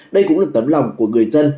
đây cũng là tấm lòng của người dân